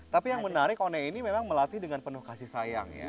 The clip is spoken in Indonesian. tapi yang menarik kone ini memang melatih dengan penuh kasih sayang ya